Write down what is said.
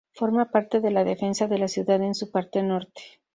Forma parte de la defensa de la ciudad en su parte norte.